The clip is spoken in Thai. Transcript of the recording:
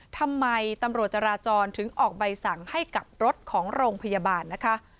ทำไมตำรวจจราจรถึงออกใบสั่งให้กับรถของโรงพยาบาลนะคะ